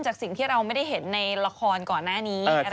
จากสิ่งที่เราไม่ได้เห็นในละครก่อนหน้านี้